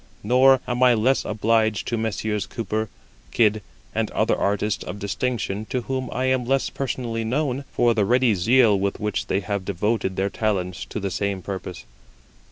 Nor am I less obliged to Messrs. Cooper, Kidd, and other artists of distinction to whom I am less personally known, for the ready zeal with which they have devoted their talents to the same purpose.